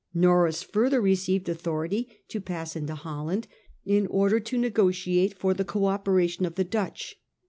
Norreys further received authority to pass into Holland, in order to negotiate for the co operation of the Dutch.